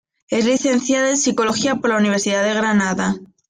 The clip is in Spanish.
Es licenciada en Psicología por la Universidad de Granada.